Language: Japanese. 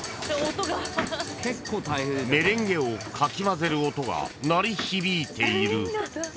［メレンゲをかき混ぜる音が鳴り響いている］